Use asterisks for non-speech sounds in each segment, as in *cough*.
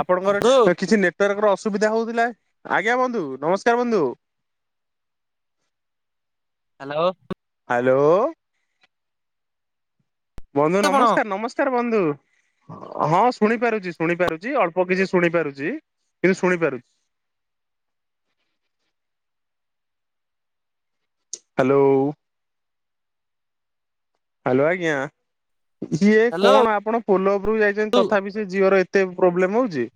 ଆପଣଙ୍କର ବନ୍ଧୁ ସ୍ କିଛି ନେଟୱାର୍କର ଅସୁବିଧା ହଉଥିଲା। ଆଜ୍ଞା ବନ୍ଧୁ, ନମସ୍କାର ବନ୍ଧୁ। ହାଲୋ ହାଲୋ ବନ୍ଧୁ ଆପଣ ନମସ୍କାର ନମସ୍କାର ବନ୍ଧୁ। ହଁ ଶୁଣିପାରୁଛି ଶୁଣିପାରୁଛି ଅଳ୍ପ କିଛି ଶୁଣିପାରୁଛି କିନ୍ତୁ ଶୁଣିପାରୁଛି। ହାଲୋ ହାଲୋ ଆଜ୍ଞା। ଇିଏ ହ୍ୟାଲୋ କଣ ଆପଣ ପୋଲ ଉପରକୁ ଯାଇଛନ୍ତି ବନ୍ଧୁ ତଥାପି ସେ ଜୀଓର ଏତେ ପ୍ରୋବ୍ଲେମ ହଉଛି?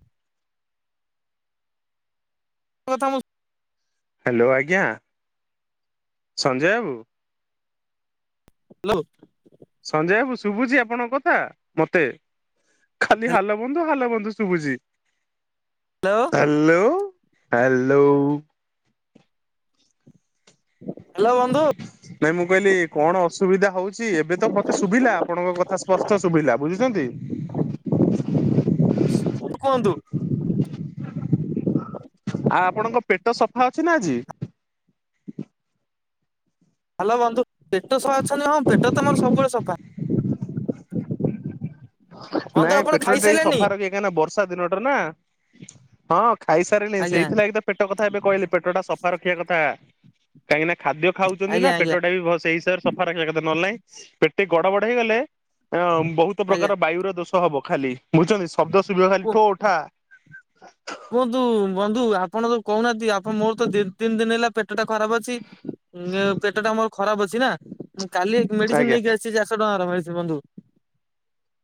*unintelligible* ହାଲୋ ଆଜ୍ଞା। ସଞ୍ଜୟ ବାବୁ। ହାଲୋ ସଞ୍ଜୟ ବାବୁ ଶୁଭୁଛି ଆପଣଙ୍କ କଥା ମତେ। ଖାଲି ହାଲୋ ବନ୍ଧୁ ହାଲୋ ବନ୍ଧୁ ଶୁଭୁଛି। ହାଲୋ ହାଲୋ ହାଲୋଉ ହ୍ୟାଲୋ ବନ୍ଧୁ ନାଇଁ ମୁଁ କହିଲି କଣ ଅସୁବିଧା ହଉଛି, ଏବେ ତ ମତେ ଶୁଭିଲା ଆପଣଙ୍କ କଥା ସ୍ପଷ୍ଟ ଶୁଭିଲା ବୁଝୁଛନ୍ତି। ସ୍ କୁହନ୍ତୁ। ଆ ଆପଣଙ୍କ ପେଟ ସଫା ଅଛି ନା ଆଜି? ହାଲୋ ବନ୍ଧୁ, ପେଟ ସଫା ଅଛନ୍ତି? ହଁ ପେଟ ତ ମୋର ସବୁବେଳେ ସଫା। ବନ୍ଧୁ ନାଇଁ ଆପଣ ପେଟ୍ରୋଲ ଟା ଖାଇସାରିଲେଣି ସଫା ରଖ କାଁଇ ନା ବର୍ଷା ଦିନଟାର ନା। ହଁ ଖାଇସାରିଲିନି ଆଜ୍ଞା ସେଇଥିଲାଗି ତ ପେଟ କଥା ଏବେ କହିଲି, ପେଟ ଟା ସଫା ରଖିବା କଥା। କାହିଁକି ନା ଖାଦ୍ୟ ଖାଉଛନ୍ତି ନା ଆଜ୍ଞା ଆଜ୍ଞା ପେଟ ଟା ବି ଭ ସେଇ ହିସାବରେ ସ ଫାଙ୍କା ରଖିବା କଥା ନହଲେ ନାହିଁ ପେଟ ଗଡ ବଡ ହେଇଗଲେ ଅଁ ବହୁତ୍ ପ୍ରକାର ଆଜ୍ଞା ବାୟୁର ଦୋଷ ହବ ଖାଲି ବୁଝୁଛନ୍ତି ଶବ୍ଦ ଶୁବିବ ଖାଲି କୁହ ଠୋ ଠା। କୁହନ୍ତୁ ବନ୍ଧୁ ଆପଣ ଯୋଉ କହୁନାହାନ୍ତି ଆପଣ ମୋର ତ ଦି ତିନି ଦିନ ହେଲା ପେଟା ଖରାପ ଅଛି ପେଟ ଟା ମୋର ଖରାପ ଅଛି ନା କାଲି ମେଡ଼ିସିନ୍ ଆଜ୍ଞା। ନେଇକି ଆସି *unintelligible* ଚାରିଶହ ଟଙ୍କାର *unintelligible* ବନ୍ଧୁ।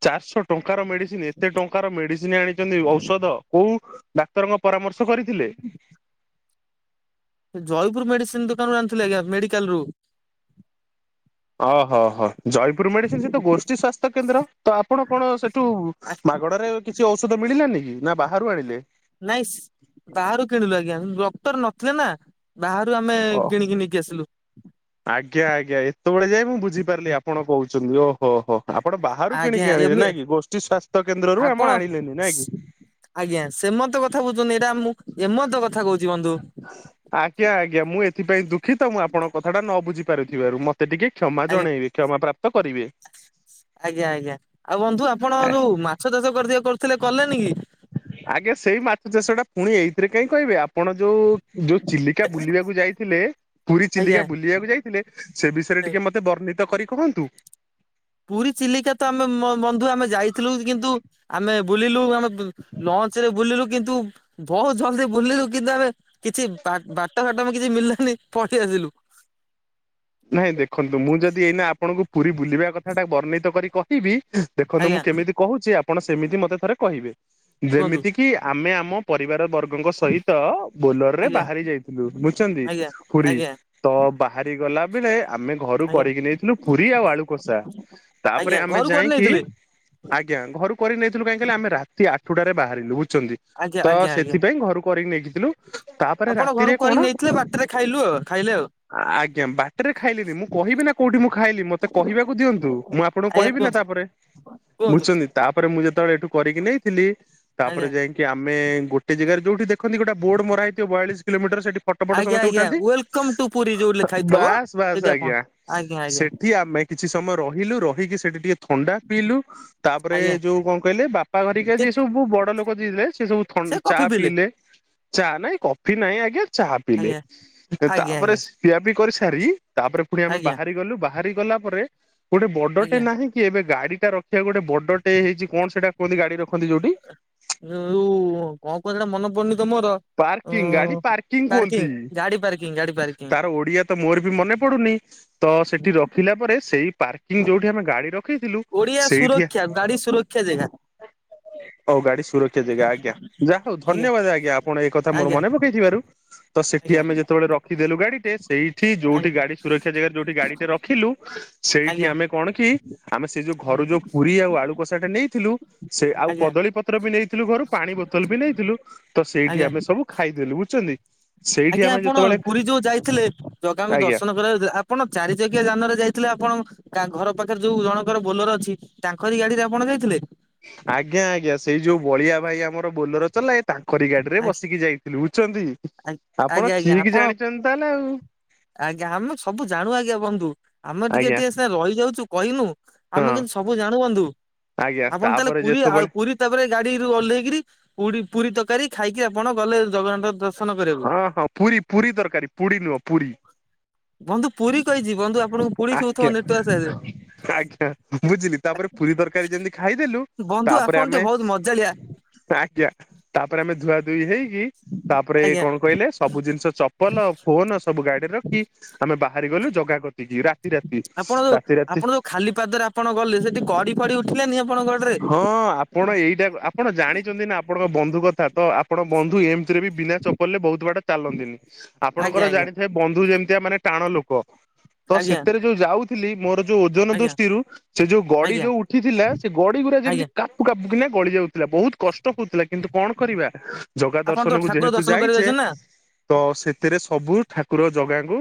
ଚାରିଶହ ଟଙ୍କାର ମେଡ଼ିସିନ୍ ଏତେ ଟଙ୍କାର ମେଡ଼ିସିନ୍ ଆଣିଛନ୍ତି ଔଷଧ କୋଉ ଡାକ୍ତରଙ୍କ ପରାମର୍ଶ କରିଥିଲେ? ଜୟପୁରୁ ମେଡ଼ିସିନ୍ ଦୋକାନରୁ ଆଣିଥିଲି ଆଜ୍ଞା ମେଡିକାଲ ରୁ। ଅହ ହ ଜୟପୁର ମେଡ଼ିସିନ୍ ସେତ ଗୋଷ୍ଠୀ ସ୍ୱାସ୍ଥ୍ୟ କେନ୍ଦ୍ର ତ ଆପଣ କଣ ସେଠୁ ମାଗଣାରେ କିଛି ଔଷଧ ମିଳିଲାନି କି? ନା ବାହାରୁ ଆଣିଲେ? ନାଇଁ ସି ବାହାରୁ କିଣିଲୁ ଆଜ୍ଞା ଡକ୍ଟର ନଥିଲେ ନା ବାହାରୁ ଆମେ ଓ କିଣିକି ନେଇ *unintelligible* ଆଜ୍ଞା ଆଜ୍ଞା ଏତେବେଳେ ଯାଇଏ ମୁଁ ବୁଝିପାରିଲି ଆପଣ କହୁଛନ୍ତି ଯୋଉ ଓହୋ ହୋ। ଆପଣ ବାହାରୁ ଆଜ୍ଞା କିଣିକି ଆଣିଲେ ଏମି ନାଇଁ କି ଗୋଷ୍ଠୀ ସ୍ଵାସ୍ଥ୍ୟ କେନ୍ଦ୍ରରୁ ଆପଣ ଆମ ଆଣିଲେନି ନାଇଁ କି? ଆଜ୍ଞା ସେମତେ କଥା କହୁଛନ୍ତି ଏଇଟା ମୁଁ ଏମତ କଥା କହୁଛି ବନ୍ଧୁ। ଆଜ୍ଞା ଆଜ୍ଞା ମୁଁ ଏଥିପାଇଁ ଦୁଃଖିତ ତ ମୁଁ ଆପଣଙ୍କ କଥାଟା ନ ବୁଝି ପାରୁଥିବାରୁ ମ ସେ ଟିକେ କ୍ଷମା ଆଜ୍ଞା ଜଣେଇବେ କ୍ଷମା ପ୍ରାପ୍ତ କରିବେ। ଆଜ୍ଞା ଆଜ୍ଞା ଆଉ ବନ୍ଧୁ ଆପଣ ଯୋଉ ମାଛ ଚାଷ କରି *unintelligible* କରିଥିଲେ କଲେନି କି? ଆଜ୍ଞା ସେଇ ମାଛ ଚାଷ ଟା ପୁଣି ଏଇଥିରେ କାଇଁ କହିବେ ଆପଣ ଯୋଉ ଯୋଉ ଚିଲିକା ବୁଲିବାକୁ ଯାଇଥିଲେ ପୁରୀ ଆଜ୍ଞା ଚିଲିକା ବୁଲିବାକୁ ଯାଇଥିଲେ ସେ ବିଷୟରେ ଟିକେ ମତେ ବର୍ଣ୍ଣିତ କରି କୁହନ୍ତୁ। ପୁରୀ ଚିଲିକା ତ ଆମେ ବନ୍ଧୁ ଆମେ ଯାଇଥିଲୁ କିନ୍ତୁ ଆମେ ବୁଲିଲୁ *unintelligible* ଲଞ୍ଚ୍ ରେ ବୁଲିଲୁ କିନ୍ତୁ ବହୁତ୍ ଜଲଦି ବୁଲିଲୁ କିନ୍ତୁ ଆମେ କିଛି ବା ବାଟ ଫାଟ କିଛି ମଳିଲାନି ପଲେଇ ଆସିଲୁ। ନାଇଁ ଦେଖନ୍ତୁ ମୁଁ ଯଦି ଏଇନା ଆପଣଙ୍କୁ ପୁରୀ ବୁଲିବା କଥା ଟା ବର୍ଣ୍ଣିତ କରି କ *unintelligible* ଦେଖନ୍ତୁ ଆଜ୍ଞା ମୁଁ କେମିତି କହୁଛି ଆପଣ ସେମିତି ମତେ ଥରେ କହିବେ କୁହନ୍ତୁ ଯେମିତି କି କି ଆମେ ଆମ ପରିବାର ବର୍ଗଙ୍କ ସହିତ ବୋଲୋର ରେ ଆଜ୍ଞା ବାହାରି ଯାଇଥିଲୁ ବୁଝିଛନ୍ତି। ଆଜ୍ଞା ପୁରୀ ଆଜ୍ଞା ତ ବାହାରି ଗଲା ବେଳେ ଆମେ ଘରୁ ଆଜ୍ଞା କରିକି ନେଇଥିଲୁ ପୁରୀ ଆଉ ଆଳୁ କଷା। ତାପରେ ଆଜ୍ଞା ଆମେ ଘରୁ କରି ଯାଇକି ନେଇଥିଲେ ଆଜ୍ଞା ଘରୁ କରି ନେଇଥିଲୁ କାହିଁକି ଆମେ ରାତି ଆଠ ଟାରେ ବାହାରିଲୁ ବୁଝୁଛନ୍ତି। ଆଜ୍ଞା ତ ଆଜ୍ଞା ଆଜ୍ଞା। ସେଥିପାଇଁ ଘରୁ କରିକି ନେଇକିଥିଲୁ ତାପରେ ଆପଣ ରାତିରେ ଘରକୁ କଣ କରିକି ନେଇଥିଲେ ବାଟରେ ଖାଇଲୁ ଆଉ ଖାଇଲେ ଆଉ ଆଜ୍ଞା ବାଟରେ ଖାଇଲିନି ମୁଁ କହିବି ନା କୋଉଠି ମୁଁ ଖାଇଲି ମତେ କିବାକୁ ଦିଅନ୍ତୁ ମୁଁ ଆପଣଙ୍କୁ ଆଜ୍ଞା କହିବି ନା କୁହନ୍ତୁ ତାପରେ। କୁହନ୍ତୁ। ବୁଝୁଛନ୍ତି ତାପରେ ମୁଁ ଯେତେବେଳେ ଏଠୁ କରିକି ନେଇଥିଲି ତାପରେ ଆଜ୍ଞା। ଯାଇକି କି ଆମେ ଗୋଟେ ଜାଗାରେ ଯୋଉଠି ଦେଖନ୍ତି ଗୋଟେ ବୋର୍ଡ଼ ମରା ହେଇଥିବ ବୟାଳିଶ୍ କିଲୋମିର ସେଠି ଫଟ ଫଟ ଆଜ୍ଞା ସମସ୍ତେ ଆଜ୍ଞା ଉଠାନ୍ତି ୱେଲକମ୍ ଟୁ ପୁରୀ ଯୋଉ ଲେଖା ହେଇଥିବ ବାସ୍ ବାସ୍ ଯଦି ଆପଣ ଆଜ୍ଞା ଆଜ୍ଞା ସେ ଆଜ୍ଞା ଏଠି ଆମେ କିଛି ସମୟ ରହିଲୁ ରହିକି ସେଠି ଟିକେ ଥଣ୍ଡା ପିଇଲୁ ତାପରେ ଆଜ୍ଞା ଯୋଉ କଣ କହିଲେ ବାପା ଘରିକି ସେ ଯିଏ ସବୁ ବଡ ଲୋକ ଯିଏଥିଲେ ସେ ସବୁ ଥ ଚା ପିଇଲେ। ଚା ନାଇଁ କଫି ନାଇଁ ଆଜ୍ଞା ଚା ପିଇଲେ ଆଜ୍ଞା ଆଜ୍ଞା ତାପରେ ଆଜ୍ଞା ପିଆପି କରିସାରି ତାପରେ ପୁଣି ଆମେ ଆଜ୍ଞା ବାହାରି ଗଲୁ ବାହାରି ଗଲା ପରେ ଗୋଟେ ବଡଟେ ଆଜ୍ଞା। ନାହିଁ। କି ଏବେ ଗାଡି ଟେ ରଖିବା ପାଇଁ ଗୋଟେ ବଡ ଟେ ହେଇଛି କଣ ସେଟା କୁହନ୍ତି ଗାଡି ରଖି ଯୋଉ କଣ କହନ୍ତି ସେଟା ମନେ ପଡୁନି ତ ମୋର। ଉ ପାର୍କିଂ ଗାଡି କୁହନ୍ତି। ପାର୍କିଂ ଗାଡି ପାର୍କିଂ ଗାଡି ପାର୍କିଂ। ତାର ଓଡିଆ ତ ମୋର ବି ମନେ ପଡୁନି ତ ସେଠି ରଖିଲା ପରେ ସେଇ ପାର୍କିଂ ଯୋଉଠି ଆମେ ଗାଡି ରଖିଥିଲୁ। ଓଡିଆ ସୁରକ୍ଷା ଗାଡି ସୁରକ୍ଷା ଜାଗା। ହଉ ଗାଡି ସୁରକ୍ଷା ଜାଗା ଆଜ୍ଞା ଯାହା ହଉ ଧନ୍ୟବାଦ ଆଜ୍ଞା ଆପଣ ଏଇ କଥା ମୋର ଆଜ୍ଞା ମନେବ ଥିବାରୁ ତ ସେଠି ଆଜ୍ଞା ଆମେ ଯେତେବେଳେ ରଖିଦେଲୁ ଗାଡିଟେ ସେଇଠି ଆଜ୍ଞା ଯୋଉଠି ଗାଡି ସୁରକ୍ଷା ଜାଗାରେ ଯୋଉଠି ଗାଡି ଟା ରଖିଲୁ ସେଇଠି ଆଜ୍ଞା ଆମେ କଣ କି? ଆମେ ସେ ଯୋଉ ଘରୁ ଯୋଉ ପୁରୀ ଆଉ ଆଳୁ କଷାଟା ନେଇଥିଲୁ। ସେ ଆଉ ଆଜ୍ଞା। କଦଳୀ ପତ୍ର ବି ନେଇଥିଲୁ ଘରୁ ପାଣି ବୋତଲ ବି ନେଇଥିଲୁ ତ ଆଜ୍ଞା। ସେଇଠି ଆମେ ସବୁ ଖାଇଦେଲୁ ବୁଝୁଛନ୍ତି। ସେଇଠି ଆଜ୍ଞା ଆମେ ଆପଣ ଯେତେବେଳେ ପୁରୀ ଯୋଉ ଯାଇଥିଲେ ଜଗାଙ୍କୁ ଆଜ୍ଞା ଦର୍ଶନ କରିବା ଆ ଆପଣ ଚାରି ଚକିଆ ଯାନରେ ଯାଇଥିଲେ ଆପଣ କ ଘର ପାଖରେ ଯୋଉ ଜଣଙ୍କର ବୋଲେର ଅଛି ତାଙ୍କରି ଗାଡିରେ ଆପଣ ଯାଇଥିଲେ। ଆଜ୍ଞା ଆଜ୍ଞା ସେଇ ଯୋଉ ବଳିଆ ଭାଇ ଆମର ବୋଲେୋର ଚଲା ଏ ତାଙ୍କରି ଗାଡିରେ ଆଜ୍ଞା ବସିକି ଯାଇଥିଲୁ ବୁଝଛନ୍ତି ଆପଣ ଆଜ୍ଞା ଆଜ୍ଞା ଠିକ ଆପଣ ଜାଣିଛନ୍ତି ତାହେଲେ ଆଉ। ଆଜ୍ଞା ଆମେ ସବୁ ଜାଣୁ ଆଜ୍ଞା ବନ୍ଧୁ ଆମେ ଟିକେ ଆଜ୍ଞା ଟିକେ ସେ ରହିଯାଉଛୁ କହିହନୁ ହଁ ଆମେ କିନ୍ତୁ ସବୁ ଜାଣୁ ବଧୁ ଆଜ୍ଞା ଆପଣ ତାହେଲେ ତାପରେ ପୁରୀ ଆଉ ଯେତେବେଳେ ପୁରୀ ତାପରେ ଗାଡିରୁ ଓହ୍ଲେଇକରି ପ ପୁରୀ ତରକାରୀ ଖାଇକି ଆପଣ ଗଲେ ଜଗନ୍ନାଥ ଦର୍ଶନ କରିବାକୁ। ହଁ ହଁ ପୁରୀ ପୁରୀ ତରକାରୀ ପୁଡ଼ି ନୁହଁ ପୁରୀ। ବନ୍ଧୁ ପୁରୀ କହିଛି ବନ୍ଧୁ ଆପଣଙ୍କୁ ପୁରୀ ଶୁଭୁଥିବ ଆଜ୍ଞା ନେଟୱାର୍କ ସାହାଯ୍ୟରେ ଆଜ୍ଞା ବୁଝିଲି। ତାପରେ ପୁରୀ ତରକାରୀ ଯେମତି ଖାଇଦେଲୁ ବନ୍ଧୁ ତାପରେ ଆପଣ ଆମେ ଟିକେ ବହୁତ ମଜାଳିଆ ଆଜ୍ଞା ତାପରେ ଆମେ ଧୁଆ ଧୁଇ ହେଇକି ତାପରେ ଆଜ୍ଞା। କଣ କହିଲେ ସବୁ ଜିନିଷ ଚପଲ ଫୋନ ସବୁ ଗାଡିରେ ରଖି ଆମେ ବାହାରି ଗଲୁ ଜଗା କତିକି ରା ଆପଣ ଯୋଉ ଆପଣ ଯୋଉ ଖାଲି ପାଦରେ ଆପଣ ଗଲେ ସେଠି କଡି ଫଡି ଉଠିଲୋନି ଆପଣଙ୍କ ଗଡରେ? ହଁ ଆପଣ ଏଇଟା ଆପଣ ଜାଣିଛନ୍ତି ନା ଆପଣଙ୍କ ବନ୍ଧୁ କଥା। ତ ଆପଣଙ୍କ ବନ୍ଧୁ ଏମିତିରେ ବିନା ଚପଲରେ ବହୁତ ବାଟ ଚାଲନ୍ତିନି। ଆପଣଙ୍କର ଆଜ୍ଞା ଜାଣିଥାଏ ବନ୍ଧୁ ଯେମିତିଆ ମାନେ ଟାଣ ଲୋକ। ତ ଆଜ୍ଞା ସେଥିରେ ଯୋଉ ଯାଉଥିଲି ମୋର ଯୋଉ ଓଜନ ଆଜ୍ଞା ଆଜ୍ଞା ଦୃଷ୍ଟିରୁ ସେ ଯୋଉ ଗଡି ଆଜ୍ଞା ଯୋଉ ଉଠିଥିଲା ସେ ଗଡି ଗୁଡା ଯେମିତି ଆଜ୍ଞା କା ଗଳି ଯାଉଥିଲା ବହୁତ କଷ୍ଟ ହଉଥିଲା। କିନ୍ତୁ କଣ କରିବା ଜଗା ଆପଣ ଦର୍ଶନ ତ କୁ ଠାକୁର ଯେହେତୁ ଦର୍ଶନ କରିବାକୁ ଯାଇଛେ ଯାଇଛନ୍ତି ନା? ତ ସେଥିରେ ସବୁ ଠାକୁର ଜଗାଙ୍କୁ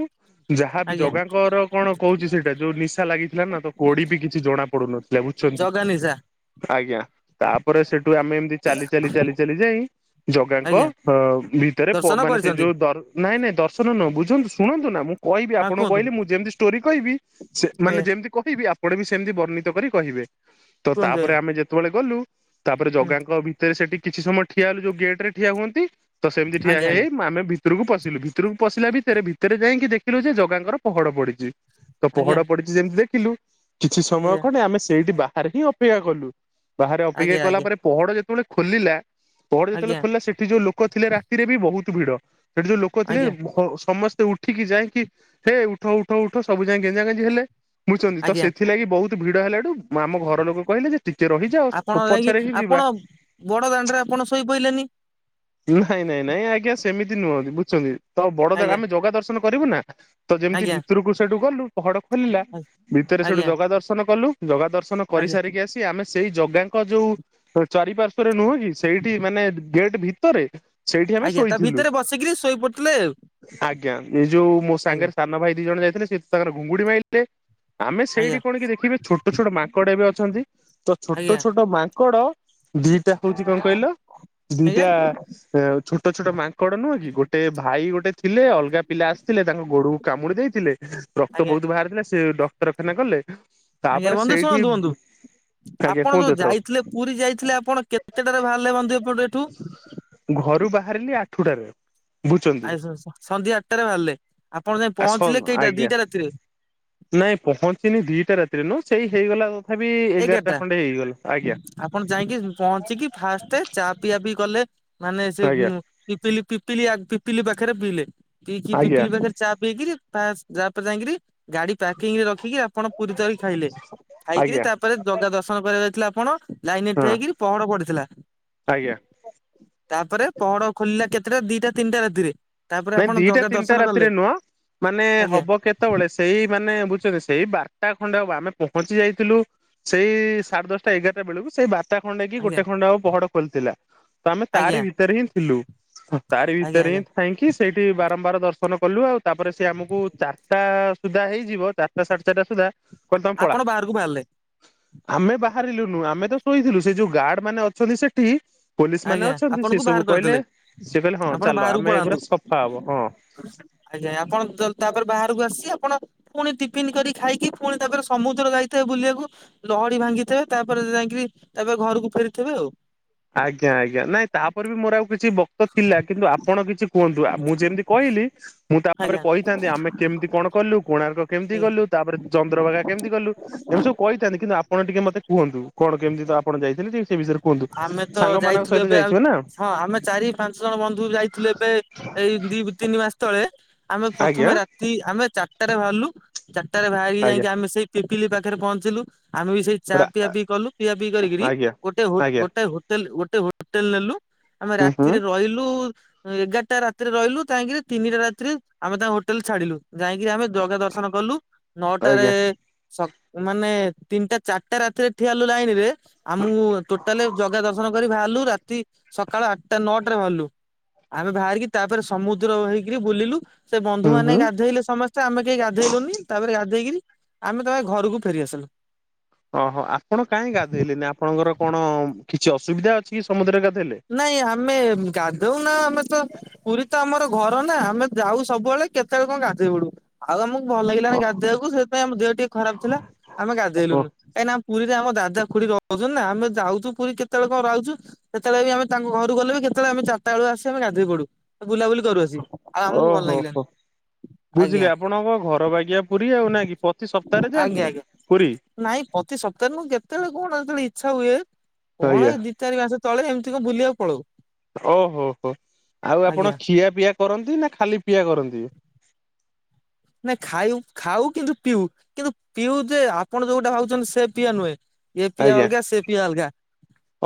ଯାହାବି ଆଜ୍ଞା ଜଗାଙ୍କର କଣ କହୁଛି ସେଇଟା ଯୋଉ ନିଶା ଲାଗିଥିଲା ନା ତ ଗୋଡ଼ି ବି କିଛି ଜଣା ପଡୁନଥିଲା ବୁଝୁଛନ୍ତି। ଜଗା ନିିଶା। ଆଜ୍ଞା। ତାପରେ ସେଠୁ ଆମେ ଏମତି ଚାଲି ଚାଲି ଚାଲି ଚାଲି ଯାଇ ଜଗାଙ୍କ ଆଜ୍ଞା ଭିତରେ ଦର୍ଶନ ମାନେ ସେଇ କରିଛନ୍ତି ଯୋଉ ନାଇଁ ନାଇଁ ଦର୍ଶନ ନୁହଁ। ବୁଝନ୍ତୁ ଶୁଣନ୍ତୁ ନା ମୁଁ କହିବି ହଁ ଆପଣ କୁହନ୍ତୁ କହିଲି ମୁଁ ଯେମିତି ଷ୍ଟୋରି କହିବି ଏ ସେମାନେ ଯେ କହିବି ଆପଣ ବି ସେମିତି ବର୍ଣ୍ଣିତ କରି କହିବେ। ତ କୁହନ୍ତୁ ଏ ତାପରେ ଆମେ ଯେତେବେଳେ ଗଲୁ ତାପରେ ହୁଁ ଜଗାଙ୍କ ଭିତରେ ସେଠି କିଛି ସମୟ ଠିଆ ହେଲୁ ଯୋଉ ଗେଟ ରେ ଠିଆ ହୁଅନ୍ତି ତ ସେମତି ଠିଆ ଆଜ୍ଞା ହେଇ ହେଇ ଆମେ ଭିତରକୁ ପଶିଲୁ ଭିତରକୁ ପଶିଲା ଭିତରେ! ଭିତରେ ଯାଇକି ଦେଖିଲୁ ଯେ ଜଗାଙ୍କର ପହଡ ପଡିଛି। ତ ଆଜ୍ଞା ପହଡ ପଡିଛି ଯେମତି ଦେଖିଲୁ କିଛି ସମୟ ଆଜ୍ଞା ଖଣ୍ଡେ ଆମେ ସେଇଠି ବାହାରେ ହିଁ ଅପେକ୍ଷା କଲୁ। ବାହାରେ ଅପେକ୍ଷା ଆଜ୍ଞା କଲା ପରେ ପହଡ ଯେତେବେଳେ ଖୋଲିଲା ପହଡ ଯେତେବେଳେ ଆଜ୍ଞା ଖୋଲିଲା ସେଠି ଯୋଉ ଲୋକ ଲୋକ ଥିଲେ ରାତିରେ ବି ବହୁତ ଭିଡ। ସେଠି ଯୋଉ ଲୋକ ଆଜ୍ଞା ଥିଲେ ଆଜ୍ଞା ସମସ୍ତେ ଉଠିକି ଯାଏ ହେ ଉଠ ଉଠ ଉଠ ସବୁ ଯାଏ ଗେଞ୍ଜା ଗେଞ୍ଜି ହେଲେ ବୁଝୁଛନ୍ତି ତ ଆଜ୍ଞା ସେଥିଲାଗି ବହୁତ ଭିଡ ହେଲା ଏଠୁ ଆମ ଘର ଲୋକ କହିଲେ ଯେ ଟିକେ ରହି ଆପଣ ଯାଇକି ଆପଣ ବଡ ଦାଣ୍ଡରେ ଆପଣ ଶୋଇପଡ଼ିଲେନି। ନାଇଁ ନାଇଁ ନାଇଁ ଆଜ୍ଞା ସେମିତି ନୁହନ୍ତି ବୁଝୁଛନ୍ତି ତ ବଡ ଆଜ୍ଞା ଆମେ ଜଗା ଦର୍ଶନ କରିବୁ ନା। ତ ଯେମିତି ଆଜ୍ଞା ଭିତରକୁ ସେଠୁ ଗଲୁ ପହଡ ଖୋଲିଲା ଭିତରେ ସେଠୁ ଆଜ୍ଞା ଜଗା ଦର୍ଶନ କଲୁ। ଜଗା ଦର୍ଶନ ଆଜ୍ଞା କରିସାରିକି ଆସି ଆମେ ସେଇ ଜଗାଙ୍କ ଯୋଉ ଚାରିପାର୍ଶ୍ଵରେ ନୁହଁ କି ସେଇଠି ମାନେ ଗେଟ ଭିତରେ ସେଇଠି ଆମେ ଆଜ୍ଞା ତା ଶୋଇଥିଲୁ ଭିତରେ ବସିକିରି ଶୋଇ ପଡିଥିଲେ ଆଜ୍ଞା ଏ ଯୋଉ ମୁ ଆଉ ସାନ ଭାଇ ଦି ଜଣ ଯାଇଥିଲେ ସେ ତାଙ୍କର ଘୁଙ୍ଗୁଡି ମାଇଲେ ଆମେ ସେଇଠି ଆଜ୍ଞା କଣ କି ଦେଖିଲୁ ଛୋଟ ଛୋଟ ମାଙ୍କଡ ଏବେ ଅଛନ୍ତି। ତ ଛୋଟ ଆଜ୍ଞା ଆଜ୍ଞା ଛୋଟ ମାଙ୍କଡ ଦିଟା ହଉଛି କଣ କହିଲ ଆଜ୍ଞା ଦିଟା ଛୋଟ ଛୋଟ ମାଙ୍କଡ ନୁହଁ କି ଗୋଟେ ଭାଇ ଗୋଟେ ଥିଲେ ଅଲଗା ପିଲା ଆସିଥିଲେ ତା ଗୋଡକୁ କାମୁଡି ଦେଇଥିଲେ ରକ୍ତ ଆଜ୍ଞା ବହୁତ ବାହାରିଥିଲା ସେ ଡକ୍ତରଖାନା ଗଲେ। ଆଜ୍ଞା ତାପରେ ବନ୍ଧୁ ସେଇଠି ଶୁଣନ୍ତୁ ବନ୍ଧୁ। ଆଜ୍ଞା ଆପଣ କୁହନ୍ତୁ ଯୋଉ ଏଥର ଯାଇଥିଲେ ପୁରୀ ଯାଇଥିଲେ ଆପଣ କେତେଟାରେ ବାହାରିଲେ ବନ୍ଧୁ ଏପଟୁ ଏଠୁ? ଘରୁ ବାହାରିଲି ଆଠୁଟାରେ। ଆ ସନ୍ଧ୍ୟା ଆଠଟାରେ ବାହାରିଲେ ଆପଣ ଯାଇ ଆ ସନ ପହଞ୍ଚିଲେ କେଇଟା ଆଜ୍ଞା ଦିଟା ରାତିରେ? ନାଇଁ ପହଞ୍ଚିନି ଦିଟା ରାତିରେ ନୁହଁ ସେଇ ହେଇଗଲା ତଥାବିି ଏଗାରଟା ଖଣ୍ଡେ ହେଇଗଲା। ଆଜ୍ଞା। ଆପଣ ଯାଇକି ପହଞ୍ଚିକି ଫାଷ୍ଟ ଚା ପିଆ ପି କଲେ ମାନେ ସେ ଆଜ୍ଞା ପିପିଲି ପିପିଲି ପିପିଲି ପାଖରେ ପିଇଲେ ପିଇକି ଆଜ୍ଞା ପିପିଲି ପାଖରେ ଚା ପିଇକିରି ଯାପରେ ଯାଇକିରି ଗାଡି ପାର୍କିଂ ରେ ରଖିକି ଆପଣ ପୁରୀ ତକାରି ଖାଇଲେ ଖାଇକିରି ଆଜ୍ଞା ତାପରେ ଜଗା ଦର୍ଶନ କରିବାକୁ ଯାଇଥିଲେ ଆପଣ ଲାଇନରେ ଠିଆ ହଁ ହେଇକିରି ପହଣ ପଡିଥିଲା। ଆଜ୍ଞା ତାପରେ ପହଡ ଖୋଲିଲା କେତେଟା ଦିଟା ତିନିଟା ରାତିରେ। ତାପରେ ନାଇଁ ଆପଣ ଦିଟା ଜଗା ତିନିଟା ଦର୍ଶନ କଲେ ରାତିରେ ନୁହଁ ମାନେ ଆଜ୍ଞା ହବ କେତେ ସେତେବେଳେ ସେଇ ମାନେ ବୁଝୁଛନ୍ତି ସେଇ ବାରଟା ଖଣ୍ଡେ ଆମେ ପହଞ୍ଚି ଯାଇଥିଲୁ ସେଇ ସାଢେ ଦଶଟା ଏଗାରଟା ବେଳକୁ ସେଇ ବା ଟା ଖଣ୍ଡେ କି ଆଜ୍ଞା ଗୋଟେ ଖଣ୍ଡ ହବ ପହଡ ଖୋଲିଥିଲା ତ ଆମେ ତାରି ଆଜ୍ଞା ଭିତରେ ହିଁ ଥିଲୁ। ତା ରି ଆଜ୍ଞା ଭିତରେ ହିଁ ଆଜ୍ଞା ଥାଇ ରଖି ସେଇଠି ବାରମ୍ବାର ଦର୍ଶନ କଲୁ ଆଉ ତାପରେ ସେ ଆମକୁ ଚାରିଟା ସୁଦ୍ଧା ହେଇଯିବ ଚାରିଟା ସାଢ଼େ ଚାରିଟା ସୁଦ୍ଧା କହିଲ ତମ ପଳା ଆପଣ ବାହାରକୁ ବାହାରିଲେ ଆମେ ବାହାରିଲୁନୁ ଆମେ ତ ଶୋଇଥିଲୁ। ସେ ଯୋଉ ଗାର୍ଡ ମାନେ ଅଛନ୍ତି ସେଠି ପୋଲିସ ମାନେ ଆଜ୍ଞା ଅଛନ୍ତି ସେ ଆପଣଙ୍କୁ ସବୁ ବାହାର କହିଲେ କରିଦେଲେ ସେ କହିଲେ ହଁ ଆପଣ ଚାଲ ବାହାରକୁ ଆମେ ଏଗୁରା ପଳାନ୍ତୁ ସଫା ହବ ହଁ ଆଜ୍ଞା ଆପଣ ତ ତାପରେ ବାହାରକୁ ଆସି ଆପଣ ପୁଣି ଟିଫିନ କରି ଖାଇକି ପୁଣି ତାପରେ ସମୁଦ୍ର ଯାଇଥାଏ ବୁଲିବାକୁ। ଲହଡି ଭାଙ୍ଗିଥିବେ ତାପରେ ଯାଇକିରି ତାପରେ ଘରକୁ ଫେରିଥିବେ ଆଉ। ଆଜ୍ଞା ଆଜ୍ଞା ନାଇଁ ତାପରେ ବି ମୋର ଆଉ କିଛି ବକ୍ତ ଥିଲା କିନ୍ତୁ ଆପଣ କିଛି କୁହନ୍ତୁ ଆ ମୁଁ ଯେମିତି କହିଲି ମୁଁ ତାପରେ ଆଜ୍ଞା କହିଥାନ୍ତି ଆମେ କେମିତି କଣ କଲୁ କୋଣାର୍କ କେମିତି ଆଜ୍ଞା ଗଲୁ। ତାପରେ ଚନ୍ଦ୍ରଭାଘା କେମିତି ଗଲୁ ଏମିତି ସବୁ କହିଥାନ୍ତି କିନ୍ତୁ ଆପଣ ଟିକେ ମତେ କୁହନ୍ତୁ। କଣ କେମିତି ତ ଆପଣ ଯାଇଥିଲେ ଟ ସେ ବିଷୟରେ କୁହନ୍ତୁ ଆମେ ତ ସାଙ୍ଗମାନାଙ୍କ ଯାଇଥିଲୁ ସହିତ ଏବେ ଆଉ ଯାଇଥିବେ ନା। ହଁ ଆମେ ଚାରି ପାଞ୍ଚ ଜଣ ବନ୍ଧୁ ଯାଇଥିଲୁ ଏବେ ଏଇ ଦି ତିନି ମାସ ତଳେ ଆମେ ଆଜ୍ଞା ପ୍ରଥମେ ରାତି ଆମେ ଚାରଟା ରେ ବାହାରିଲୁ ଚାରିଟରେ ବାହାରିକି ଆଜ୍ଞା ଯାଇକି ଆମେ ସେଇ ପିପିଲି ପାଖରେ ପହଞ୍ଚିଲୁ ଆମେ ବି ସେଇ ଚା ରା ପିଆ ପିଇ କଲୁ ପିଆ ପିଇ କରିକିରି ଆଜ୍ଞା। ଗୋଟେ ହୋ ଆଜ୍ଞା ଗୋଟ ହୋଟେଲ ଗୋଟେ ହୋଟେଲ ନେଲୁ ଆମେ ହୁଁ ହୁଁ ରାତିରେ ରହିଲୁ। ଏଗାରଟା ରାତିରେ ରହିଲୁ ତାହିଁକି ତିନିଟା ରାତିରେ ଆମେ ତାଙ୍କ ହୋଟେଲ ଛାଡିଲୁ। ଯାଇଁକିରି ଆମେ ଜଗା ଦର୍ଶନ କଲୁ ନଅଟାରେ ଆଜ୍ଞା ସକ୍ ମାନେ ତିନିଟା ଚାରିଟା ରାତିରେ ଠିଆ ହେଲୁ ଲାଇନ ରେ ଆମୁ ଜଗା ଦର୍ଶନ କରି ବାହାରଲୁ ରାତି ସକାଳ ଆଠଟା ନଅ ଟାରେ ଭାରିଲୁ ଆମେ ବାହାରିକି ତାପରେ ସମୁଦ୍ର ହେଇକିରି ବୁଲିଲୁ। ସେ ହୁଁ ବନ୍ଧୁମାନେ ହୁଁ। ଗାଧୋଇଲେ ସମସ୍ତେ। ସ୍ତେ ଆମେ କେହି ଗାଧେଇଲୁନି ତାପରେ ଗାଧେଇକରି ଆମେ ତମେ ଘରକୁ ଫେରିଆସିଲୁ। ଓହୋ ଆପଣ କାହିଁ ଗାଧୋଇଲେନି? ଆପଣଙ୍କର କଣ କିଛି ଅସୁବିଧା ଅଛି କି ସମୁଦ୍ରରେ ଗାଧୋଇଲେ? ନାଇଁ ଆମେ ଗାଧଉ ନା ଆମେ ତ ପୁରୀ ତ ଆମର ଘର ନା ଆମେ ଯାଉ ସବୁବେଳେ କେତେବେଳେ କଣ ଗାଧେଇ ପଡୁ। ଆଉ ଆମକୁ ଭଲ ଲାଗିଲାନି ଗାଧେଇବାକୁ ସେଥିାଇଁ ଆମ ଦେହ ଟିକେ ଖରାପ ଥିଲା। ଆମେ ଓ ଗାଧେଇଲୁନୁ କାଁ କିନା ପୁରୀ ରେ ଆମ ଦାଦା ଖୁଡୀ ରହୁ ହୁଛନ୍ତି ନା ଆମେ ଯାଉଛୁ ପୁରୀ କେତେବେଳେ କଣ ରହୁଛୁ ସେ କେତେଳେ ବି ଆମ ତାଙ୍କ ଘରୁ ଗଲୁ ବି କେତବେଳେ ଆମେ ଚାରଟା ବେଳେ ଆମେ ଆସି ଗାଧୋଇ ପଡୁ। ବୁଲାବୁଲି କରୁଆସି ଆଉ ଆମକୁ ଭଲ ଓହୋ ହୋ ଲାଗିଲାନି। ଆଜ୍ଞା ବୁଝିଲି ଆପଣଙ୍କ ଘର ବାଗିଆ ପୁରୀ ଆଉ ନା କି ପ୍ରତି ସପ୍ତାହରେ ଆଜ୍ଞା ଯାଆନ୍ତି ଆଜ୍ଞା ପୁରୀ? ନାଇଁ ପ୍ରତି ସପ୍ତାହରେ ମୁଁ କେତେବେଳେ କଣ ଯେତେବେଳେ ଇଚ୍ଛା ହୁଏ କଣ ଆଜ୍ଞା। ଦି ଚାରି ମାସ ତଳେ ଏମିତି କଣ ବୁଲିବାକୁ ପଳାଉ। ଓହୋ ହୋ ଆଉ ଆଜ୍ଞା। ଆପଣ ଖିଆ ପିଆ କରନ୍ତି ନା ଖାଲି ପିଆ କରନ୍ତି? ନାଇ ଖାୟୁ ଖାଉ କିନ୍ତୁ ପିଉ କିନ୍ତୁ ପିଉ ଯେ ଆପଣ ଯୋଉ ଗୋଟେ ଭାବୁଛନ୍ତି ସେ ପିଇଆ ନୁହେଁ। ଏ ପିଇଆ ଆଜ୍ଞା। ଅଲଗା ସେ ପିଆ ଅଲଗା।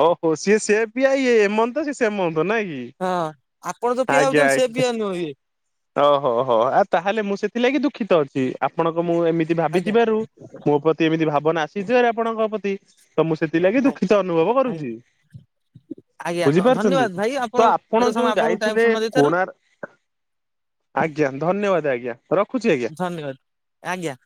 ଓହୋ ସିଏ ସେଏ ପିଆ ଇଏ ଏମନ୍ତ ସିଏ ସେମନ୍ତ ନାଇଁ କି। ହଁ ଆପଣ ଯୋଉ ପିଆ ଆଜ୍ଞା ଭାବୁଛନ୍ତି ସେ ଆ ପିଆ ନୁହେଁ ଇଏ। ଓହୋହୋ ଆଉ ତାହେଲେ ମୁଁ ସେଥିଲାଗି ଦୁଃଖିତ ଅଛି ଆପଣଙ୍କ ମୁଁ ଏମିତି ମିତି ଆଜ୍ଞା ଭାବିଥିବାରୁ ମୋ ପ୍ରତି ଏମିତି ଭାବନା ଆସିଥିବାର ଆପଣଙ୍କ ପ୍ରତି ତ ମୁଁ ସେଥିଲାଗି ଦୁଃଖିତ ଅନୁଭବ କରୁଛି। ଆଜ୍ଞା ଆଜ୍ଞା ବୁଝିପାରୁଛନ୍ତି, ଧନ୍ୟବାଦ ଭାଇ ତ ଆପଣ ଏତେ ସମୟ ଯୋଉ ଆପଣଙ୍କୁ ଟାଇମ ଯାଇଥିଲେ ସମୟ ଦେଇଥିବାରୁ କୋର୍ଣାକ ଆଜ୍ଞା ଧନ୍ୟବାଦ ଆଜ୍ଞା। ରଖୁଛି ଆଜ୍ଞା। ଧନ୍ୟବାଦ ଆଜ୍ଞା।